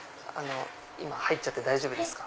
今入っちゃって大丈夫ですか？